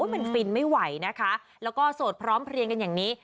มันฟินไม่ไหวนะคะแล้วก็โสดพร้อมเพลียงกันอย่างนี้